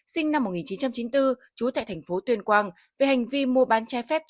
sinh năm một nghìn chín trăm chín mươi bốn trú tại thành phố tuyên quang về hành vi mua bán trái phép